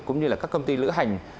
cũng như là các công ty lữ hành